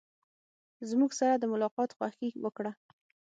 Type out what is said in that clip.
زموږ سره د ملاقات خوښي وکړه.